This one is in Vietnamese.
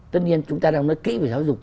tất nhiên chúng ta đang nói kỹ về giáo dục